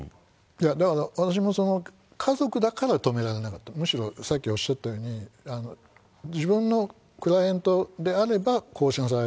いや、だから私も家族だから止められなかった、むしろ、さっきおっしゃったように、自分のクライアントであればこうしなさい、